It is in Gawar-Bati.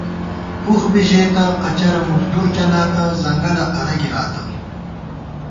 اوخ بی ژېتہ، قچَرہ مُزدُور چَلاتہ، ځنگَلہ اَرہ گِراتہ